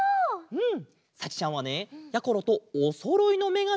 うん。